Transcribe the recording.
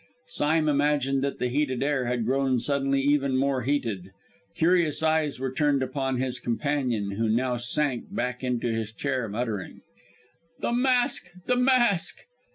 Sime imagined that the heated air had grown suddenly even more heated. Curious eyes were turned upon, his companion, who now sank back into his chair, muttering: "The Mask, the Mask!"